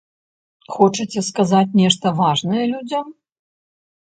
Хочаце сказаць нешта важнае людзям?